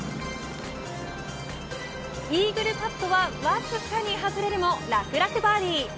イーグルパットはわずかに外れるも楽々バーディー。